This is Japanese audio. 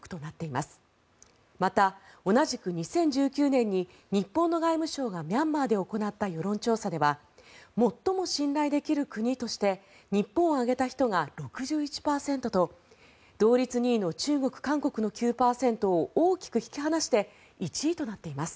また、同じく２０１９年に日本の外務省がミャンマーで行った世論調査では最も信頼できる国として日本を挙げた人が６１％と同率２位の中国、韓国の９％を大きく引き離して１位となっています。